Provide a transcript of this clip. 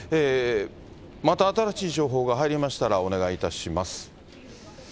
また新しい情報が入りましたらお願いいたします。